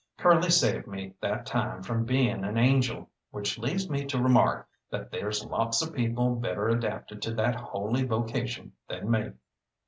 Curly saved me that time from being an angel which leads me to remark that there's lots of people better adapted to that holy vocation than me.